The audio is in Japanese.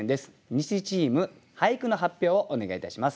西チーム俳句の発表をお願いいたします。